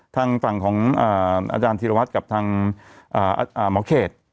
ทางฝั่งของอาจารย์ธีรวัตรกับทางหมอเขต